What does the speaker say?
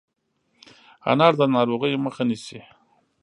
انار د ناروغیو مخه نیسي.